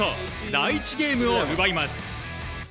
第１ゲームを奪います。